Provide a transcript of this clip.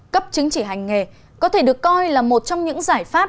cấp chính trị hành nghề có thể được coi là một trong những giải pháp